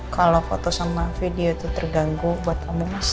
kalau foto sama video itu terganggu buat kamu mas